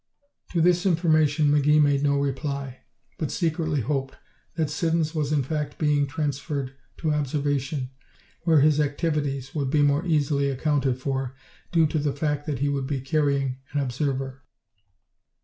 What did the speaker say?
To this information McGee made no reply, but secretly hoped that Siddons was in fact being transferred to Observation, where his activities would be more easily accounted for due to the fact that he would be carrying an observer.